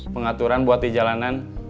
pengaturan buat di jalanan